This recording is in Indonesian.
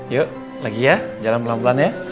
yuk lagi ya jalan pelan pelan ya